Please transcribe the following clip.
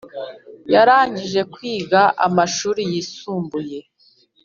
Yarangije kwiga amashuri yisumbuye